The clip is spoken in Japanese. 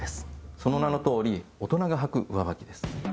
その名のとおり大人が履く上ばきです